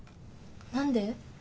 何で？